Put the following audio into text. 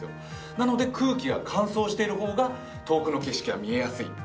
なので空気は乾燥している方が遠くの景色が見やすい。